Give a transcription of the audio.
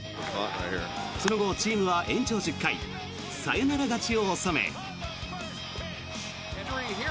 その後、チームは延長１０回サヨナラ勝ちを収め。